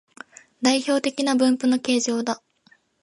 代表的な分布の形状だ